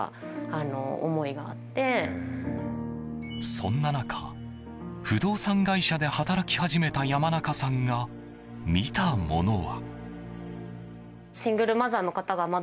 そんな中不動産会社で働き始めた山中さんが見たものは。